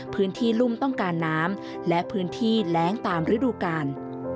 พื้นที่รุ่มต้องการน้ำและพื้นที่แร้งตามฤดูกาล